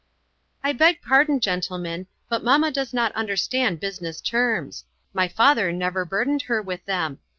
"I beg pardon, gentlemen, but mamma does not understand business terms; my father never burdened her with them.